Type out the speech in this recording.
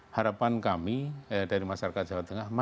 harapan kami dari masyarakat jawa tengah ini adalah